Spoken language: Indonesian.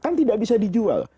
kan tidak bisa dijual